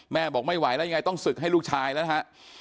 บอกไม่ไหวแล้วยังไงต้องศึกให้ลูกชายแล้วนะฮะ